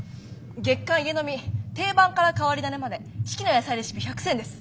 「月刊家呑み定番から変わりダネまで、四季の野菜レシピ１００選！」です。